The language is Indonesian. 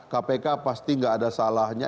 kpk pasti nggak ada salahnya